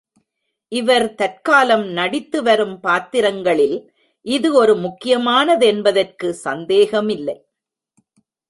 இவர் தற்காலம் நடித்து வரும் பாத்திரங்களில் இது ஒரு முக்கியமானதென்பதற்குச் சந்தேகமில்லை.